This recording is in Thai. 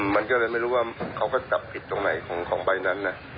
มันก็เลยไม่รู้ว่าเขาก็จับผิดตรงไหนของใบนั้น